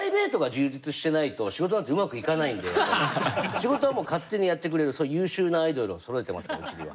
仕事はもう勝手にやってくれる優秀なアイドルをそろえてますからうちには。